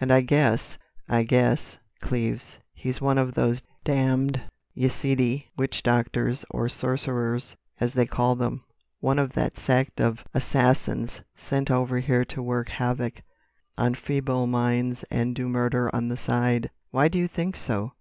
And I guess—I guess, Cleves, he's one of those damned Yezidee witch doctors—or sorcerers, as they call them;—one of that sect of Assassins sent over here to work havoc on feeble minds and do murder on the side." "Why do you think so?"